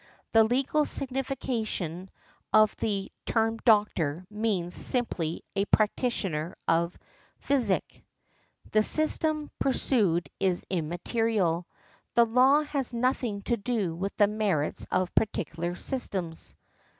The legal signification of the term doctor means simply a practitioner of physic. The system pursued is immaterial. The law has nothing to do with the merits of particular systems."